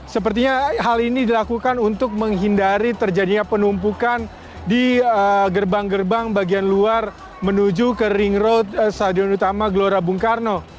sepertinya hal ini dilakukan untuk menghindari terjadinya penumpukan di gerbang gerbang bagian luar menuju ke ring road stadion utama gelora bung karno